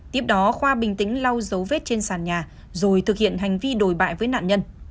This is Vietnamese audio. tiếp đó khoa bình tĩnh lau dấu vết trên sàn nhà rồi thực hiện hành vi đồi bại với nạn nhân